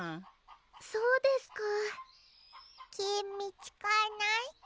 そうですかきみつからない？